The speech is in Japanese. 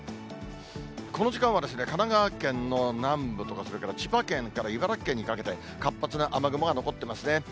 この時間は神奈川県の南部とか、それから千葉県から茨城県にかけて、活発な雨雲が残ってますね。